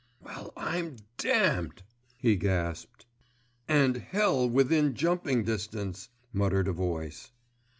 "Well, I'm damned!" he gasped. "And Hell within jumping distance," muttered a voice.